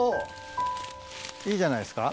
いいんじゃないですか？